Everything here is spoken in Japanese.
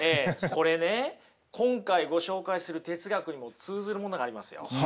これね今回ご紹介する哲学にも通ずるものがありますよ。